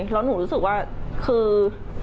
แล้วหนูรู้สึกว่าคือ